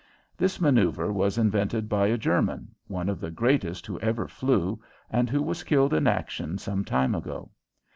This maneuver was invented by a German one of the greatest who ever flew and who was killed in action some time ago.